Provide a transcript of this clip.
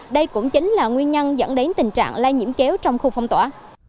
đây cũng chính là nguyên nhân dẫn đến tình trạng lây nhiễm chéo trong khu phong tỏa